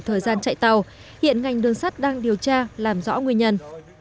thời gian chạy tàu hiện ngành đường sắt đang điều tra làm rõ nguyên nhân